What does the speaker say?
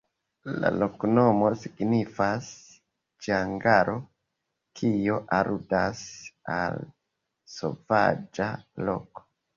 La loknomo signifas: ĝangalo, kio aludas al sovaĝa loko.